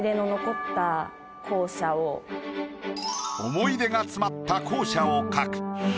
思い出が詰まった校舎を描く。